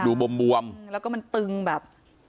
อยู่บวมบวมแล้วก็มันตึงแบบ